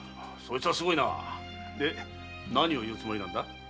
そいつはすごいなで何を言うつもりなんだ？